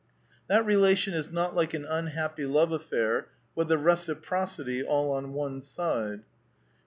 That relation is not like an unhappy love affair with the " reciprocity all on one side."